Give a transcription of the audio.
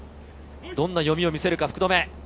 どんな読みを見せるか福留。